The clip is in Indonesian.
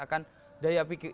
akan daya pikir